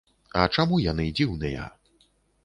А чаму яны дзіўныя?